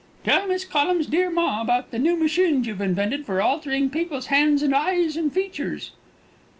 Tell Miss Collum's dear ma about the new machines you've invented for altering people's hands and eyes and features."